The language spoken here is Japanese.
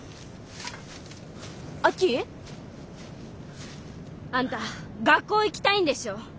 亜紀？あんた学校行きたいんでしょ？